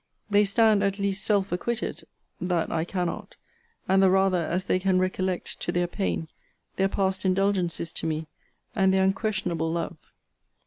They stand at least self acquitted, (that I cannot;) and the rather, as they can recollect, to their pain, their past indulgencies to me, and their unquestionable love.